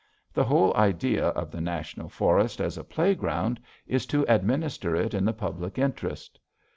The whole idea of the National Forest as a playground is to administer it in the public interest.